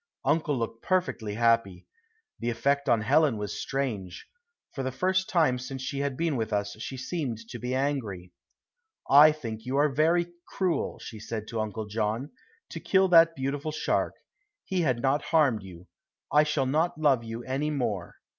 Uncle looked perfectly happy. The effect on Helen was strange. For the first time since she had been with us she seemed to be angry. "I think you are very cruel," she said to Uncle John, "to kill that beautiful shark. He had not harmed you. I shall not love you any more."